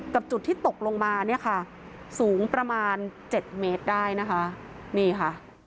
กับจุดที่ตกลงมาสูงประมาณ๗เมตรได้นะคะ